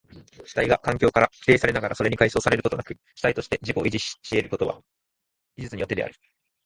主体が環境から規定されながらそれに解消されることなく主体として自己を維持し得るのは技術によってである。